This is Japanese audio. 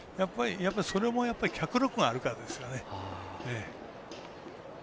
それも脚力があるからですよね。